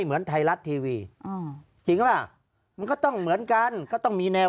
เหมือนไทยรัฐทีวีจริงหรือเปล่ามันก็ต้องเหมือนกันก็ต้องมีแนว